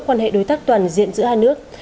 quan hệ đối tác toàn diện giữa hai nước